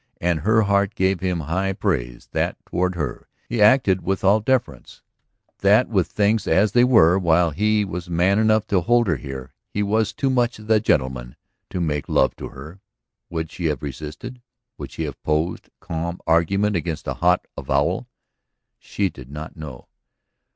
And her heart gave him high praise that toward her he acted with all deference, that with things as they were, while he was man enough to hold her here, he was too much the gentleman to make love to her. Would she have resisted, would she have opposed calm argument against a hot avowal? She did not know.